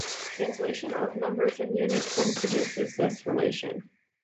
Cancellation of numbers and units then produces this relation.